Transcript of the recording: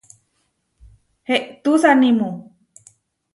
Eʼtusanimu.